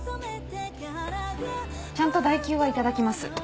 ちゃんと代休はいただきます。